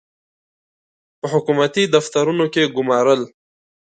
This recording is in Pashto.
په حکومتي دفترونو کې ګومارل.